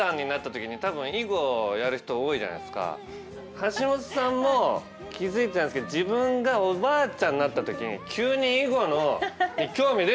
橋本さんも気付いてないんですけど自分がおばあちゃんになった時に急に囲碁に興味出てくるもんなんだと思う。